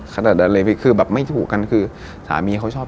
ขนาดนั้นเลยหรอ